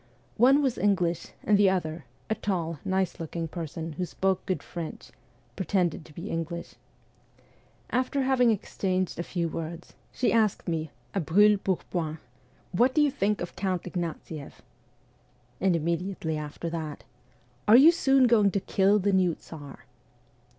One was English, and the other a tall, nice looking person, who spoke good French pretended to be English. After having exchanged a few words, she asked me a brule pourpoint :' What do you think of Count Ignatieff ?' And immediately after that :' Are you soon going to kill the new Tsar